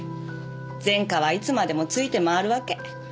前科はいつまでもついて回るわけ。